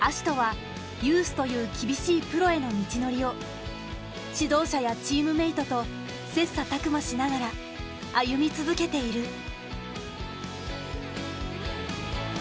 葦人はユースという厳しいプロへの道のりを指導者やチームメートと切磋琢磨しながら歩み続けている。